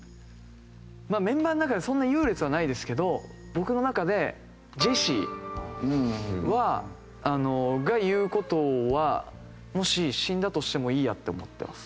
メンバーの中でそんな優劣はないですけど僕の中でジェシーが言う事はもし死んだとしてもいいやって思ってます。